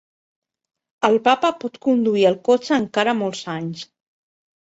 El papa pot conduir el cotxe encara molts anys.